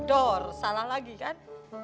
dor salah lagi kan